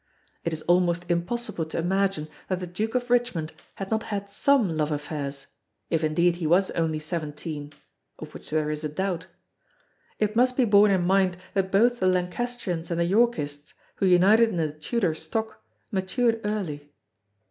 It is almost impossible to imagine that the Duke of Richmond had not had some love affairs if indeed he was only seventeen (of which there is a doubt) it must be borne in mind that both the Lancastrians and the Yorkists who united in the Tudor stock matured early.